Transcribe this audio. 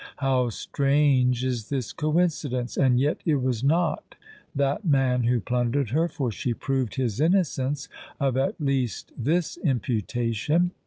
How strange is this coincidence! And yet it was not that man who plundered her—for she proved his innocence of at least this imputation.